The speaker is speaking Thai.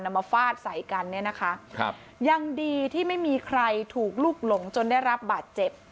มาฟาดใส่กันเนี่ยนะคะครับยังดีที่ไม่มีใครถูกลูกหลงจนได้รับบาดเจ็บ